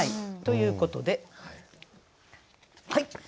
ということではい。